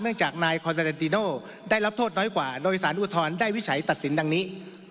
จากนายคอนซาเรนติโน่ได้รับโทษน้อยกว่าโดยสารอุทธรณ์ได้วิจัยตัดสินดังนี้